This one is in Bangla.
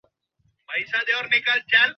আমার লাল রঙের টিউবটা খুঁজে পাচ্ছিলাম না।